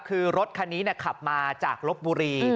คือรถคันนี้ขับมาจากลบบุรี